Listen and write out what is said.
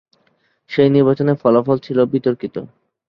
সেই নির্বাচনের ফলাফল ছিল বিতর্কিত।